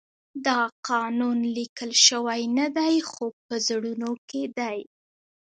دا قانون لیکل شوی نه دی خو په زړونو کې دی.